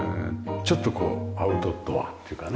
ちょっとこうアウトドアっていうかね。